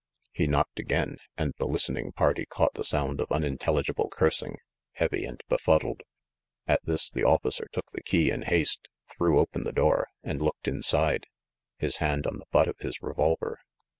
He knocked again, and the listening party caught the sound of unintelligible cursing, heavy and befuddled. At this the officer took the key in haste, threw open the door, and looked inside, his hand on the butt of his re volver.